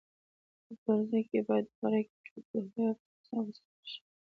په پلورنځي کې باید د خوراکي توکو حفظ الصحه وساتل شي.